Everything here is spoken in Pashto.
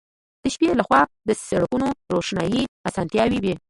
د شپې له خوا د سړکونو د روښنايي اسانتیاوې وې